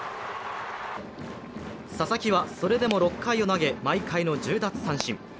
佐々木はそれでも６回投げ、毎回の１０奪三振。